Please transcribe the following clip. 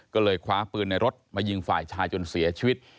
ก็เลยคว้าปืนในรถมายิงฝ่ายชายจนเสียชีวิต